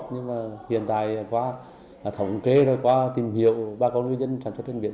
nhưng mà hiện tại qua thống kê qua tìm hiểu qua các ngư dân sản xuất trên biển